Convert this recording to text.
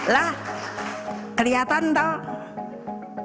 lah kelihatan toh